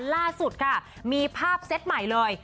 ล่าสุดค่ะมีภาพเซตใหม่เลย